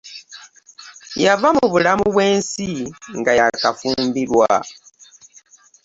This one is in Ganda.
Yava mu bulamu bw'ensi nga yaakafumbirwa.